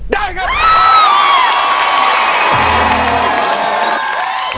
ช่องผิดครับ